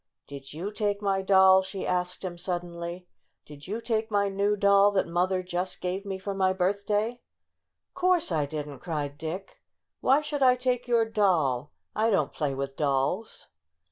"Did you take my doll?" she asked him suddenly. *' Did you take my new doll that mother just gave me for my birthday?" "Course I didn't!" cried Dick. "Why should I take your doll ? I don't play with dolls!"